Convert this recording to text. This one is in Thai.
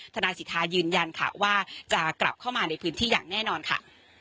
ทนายสิทธายืนยันค่ะว่าจะกลับเข้ามาในพื้นที่อย่างแน่นอนค่ะ